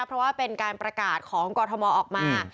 เพราะว่าเป็นการประกาศของกรทมออกมา